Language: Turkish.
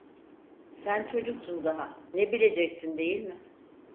Sen çocuksun daha, ne bileceksin değil mi?